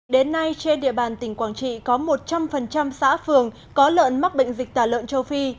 đến nay trên địa bàn tỉnh quảng trị có một trăm linh xã phường có lợn mắc bệnh dịch tả lợn châu phi